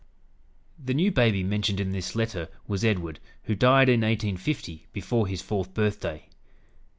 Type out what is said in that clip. The new baby mentioned in this letter was Edward, who died in 1850, before his fourth birthday.